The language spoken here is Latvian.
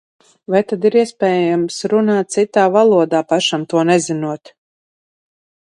Vai tad ir iespējams runāt citā valodā, pašam to nezinot?